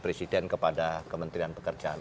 presiden kepada kementerian pekerjaan